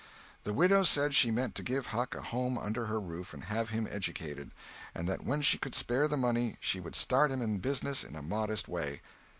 The widow said she meant to give Huck a home under her roof and have him educated; and that when she could spare the money she would start him in business in a modest way.